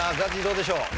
どうでしょう？